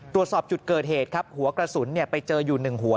ตรวจสอบจุดเกิดเหตุหัวกระสุนไปเจออยู่หนึ่งหัว